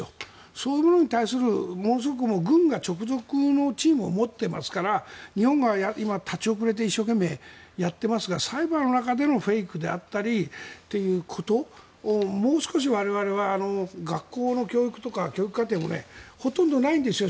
そういうものに対する軍が直属のチームを持っていますから日本が今、立ち遅れて一生懸命やっていますがサイバーの中でのフェイクであったりということをもう少し我々は学校の教育とか教育課程もねほとんどないんですよ